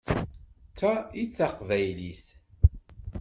D ta i d taqbaylit!